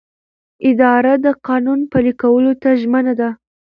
اداره د قانون پلي کولو ته ژمنه ده.